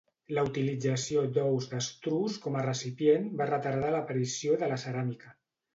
La utilització d'ous d'estruç com a recipient va retardar l'aparició de la ceràmica.